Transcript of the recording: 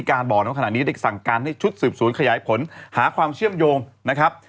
ขยายผลงร้ายผลหาความเชื่อมโยงนะครับ